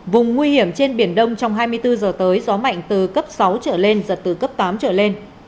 vùng nguy hiểm trên biển đông trong hai mươi bốn giờ tới gió mạnh từ cấp sáu trở lên giật từ cấp tám trở lên